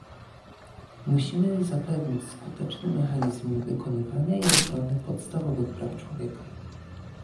Musimy zapewnić skuteczny mechanizm wykonywania i ochrony podstawowych praw człowieka